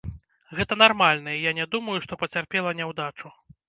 Гэта нармальна, і я не думаю, што пацярпела няўдачу.